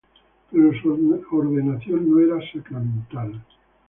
Pero su ordenación no era sacramental.